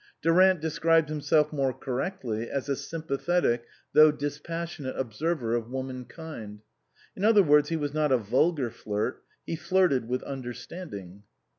Durant de scribed himself more correctly as a sympathetic, though dispassionate observer of womankind. In other words, he was not a vulgar flirt ; he flirted with understanding.